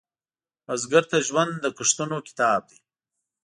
بزګر ته ژوند د کښتونو کتاب دی